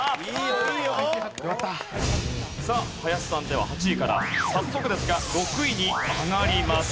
さあ林さんでは８位から早速ですが６位に上がります。